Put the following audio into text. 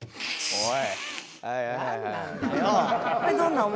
おい！